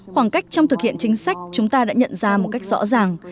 khoảng cách trong thực hiện chính sách chúng ta đã nhận ra một cách rõ ràng